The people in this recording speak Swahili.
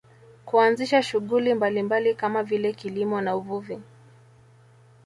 Kuanzisha shughuli mbalimbali kama vile kilimo na uvuvi